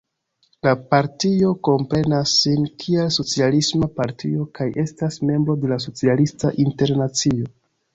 La partio komprenas sin kiel socialisma partio kaj estas membro de la Socialista Internacio.